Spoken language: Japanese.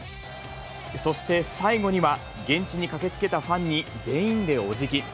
そして最後には、現地に駆けつけたファンに全員でおじぎ。